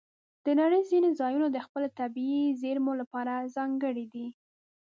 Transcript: د نړۍ ځینې ځایونه د خپلو طبیعي زیرمو لپاره ځانګړي دي.